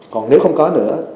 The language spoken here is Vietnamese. còn nếu không có nữa